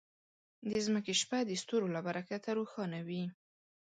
د ځمکې شپه د ستورو له برکته روښانه وي.